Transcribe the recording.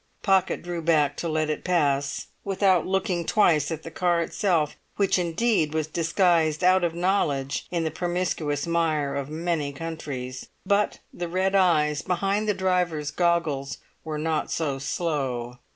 Pocket drew back to let it pass, without looking twice at the car itself, which indeed was disguised out of knowledge in the promiscuous mire of many countries; but the red eyes behind the driver's goggles were not so slow.